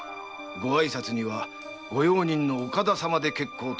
ご挨拶にはご用人の岡田様で結構との仰せ。